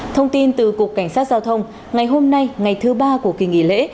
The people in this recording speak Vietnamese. thông tin từ cục cảnh sát giao thông ngày hôm nay ngày thứ ba của kỳ nghỉ lễ